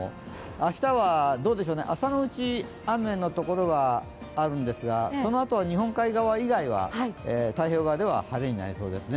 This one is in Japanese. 明日は朝のうち雨のところがあるんですがそのあとは日本海側以外は太平洋側では晴れになりそうですね。